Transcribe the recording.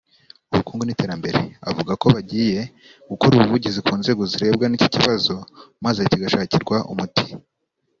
ubukungu n’iterambere avuga ko bagiye gukora ubuvugizi ku nzego zirebwa n’iki kibazo maze kigashakirwa umuti